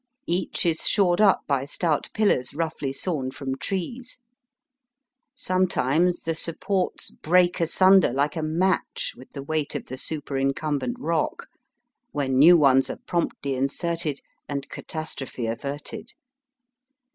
Each is shored up by stout pillars roughly sawn from trees. Sometimes the supports break asunder like a match with the weight of the super incumbent rock, when new ones are promptly inserted and catastrophe averted.